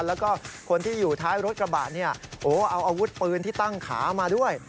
แล้วก็คนที่อยู่ท้ายรถกระบะเนี่ยโอ้เอาอาวุธปืนที่ตั้งขามาด้วย